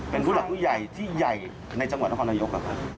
เป็นภูมิใหญ่ที่ใหญ่ในจังหวัดนครรภ์นายก